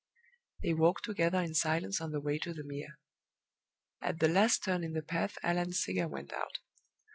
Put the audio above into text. They walked together in silence on the way to the Mere. At the last turn in the path Allan's cigar went out.